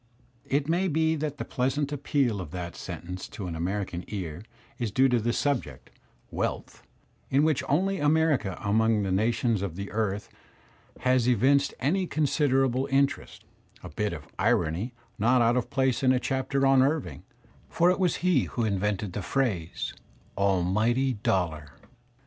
It may be that the pleasant appeal of that sentence to an American ear is due to the subject, wealth, in which only America among the nations of the earth has Digitized by Google 32 THE SPIRIT OF AMERICAN LITERATURE evinced any considerable interest — a bit of irony not out of place in a chapter on Irving, for it was he who invented the phrase "almighty dollar."